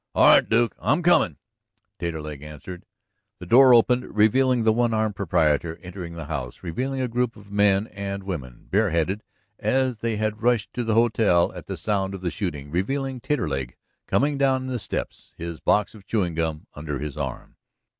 "All right, Duke; I'm a comin'," Taterleg answered. The door opened, revealing the one armed proprietor entering the house; revealing a group of men and women, bare headed, as they had rushed to the hotel at the sound of the shooting; revealing Taterleg coming down the steps, his box of chewing gum under his arm.